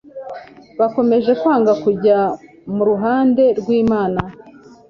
bakomeje kwanga kujya mu ruhande rwImana